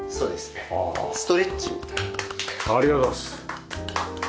ありがとうございます。